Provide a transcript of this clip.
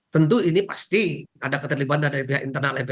tentu ini pasti ada keterlibatan dari pihak internal